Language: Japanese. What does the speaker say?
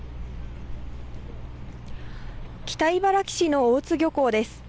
北茨城市の大津漁港です。